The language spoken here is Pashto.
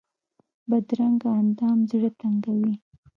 بدرنګه اندام زړه تنګوي